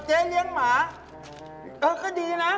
เจ๊เลี้ยงหมาเออก็ดีนะ